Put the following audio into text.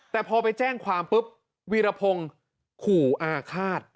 แต่พอไปแจ้งความปุ๊บวีรพงศ์ขู่อาฆาต